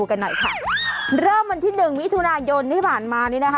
ใช้เมียได้ตลอด